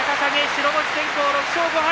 白星先行、６勝５敗。